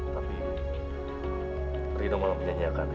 tapi rino malah punya nyakadnya